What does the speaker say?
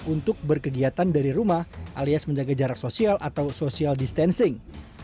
untuk berkegiatan dari rumah alias menjaga jarak sosial atau social distancing